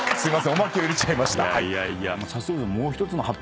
おまけを入れちゃいました。